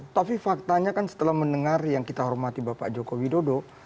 tapi faktanya kan setelah mendengar yang kita hormati bapak joko widodo